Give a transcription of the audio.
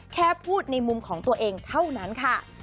แค่พูดในมุมของตัวเองเท่านั้นค่ะ